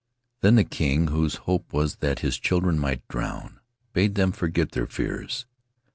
Then the king, whose hope was that his children might drown, bade them forget their fears.